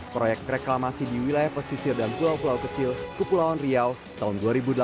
proyek reklamasi di wilayah pesisir dan pulau pulau kecil kepulauan riau tahun dua ribu delapan belas